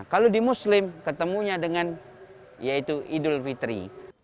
kalau di muslim ketemunya dengan yaitu idul fitri